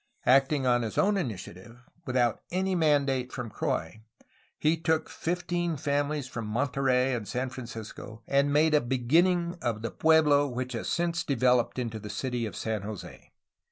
Acting on his own initiative, without any mandate from Croix, he took fifteen families from Monterey and San Francisco, and made a beginning of the pueblo which has since developed into the city of San Jose.